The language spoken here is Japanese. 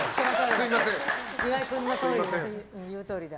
すみません。